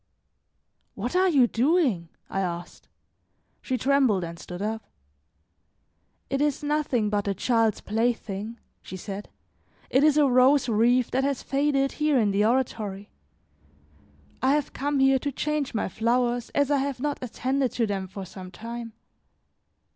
"What are you doing?" I asked. She trembled and stood up. "It is nothing but a child's plaything," she said; "it is a rose wreath that has faded here in the oratory; I have come here to change my flowers as I have not attended to them for some time."